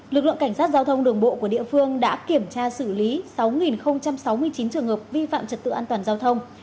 lực lượng cảnh sát giao thông đường bộ của địa phương đã kiểm tra xử lý sáu sáu mươi chín trường hợp vi phạm trật tự an toàn giao thông